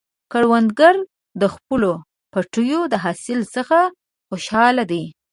کروندګر د خپلو پټیو د حاصل څخه خوشحال دی